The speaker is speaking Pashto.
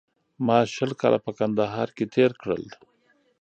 ما شل کاله په کندهار کې تېر کړل